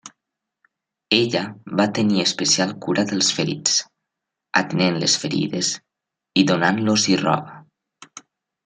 Ella va tenir especial cura dels ferits, atenent les ferides i donant-los-hi roba.